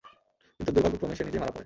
কিন্তু দুর্ভাগ্যক্রমে সে নিজেই মারা পড়ে।